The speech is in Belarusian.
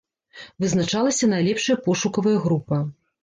Вызначалася найлепшая пошукавая група.